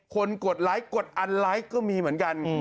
กดไลค์กดอันไลค์ก็มีเหมือนกัน